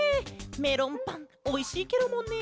メロンパンおいしいケロもんね！